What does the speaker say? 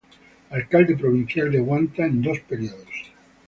Alcalde provincial de Huanta en dos períodos.